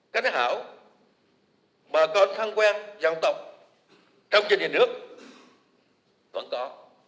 cảnh hảo bà con thân quen dòng tộc trong chương trình nước vẫn có